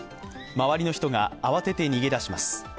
周りの人が慌てて逃げ出します。